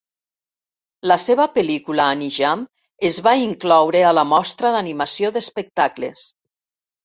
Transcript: La seva pel·lícula "Anijam" es va incloure a la Mostra d'Animació d'Espectacles.